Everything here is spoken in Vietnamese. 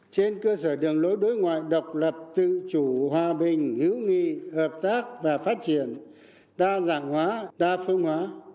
trên cơ sở đường lối đối ngoại độc lập tự chủ hòa bình hữu nghị hợp tác và phát triển đa dạng hóa đa phương hóa